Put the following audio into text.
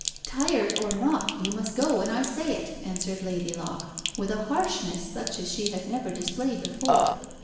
"Tired or not, you must go when I say it," answered Lady Locke, with a harshness such as she had never displayed before.